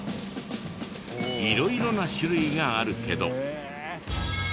色々な種類があるけど。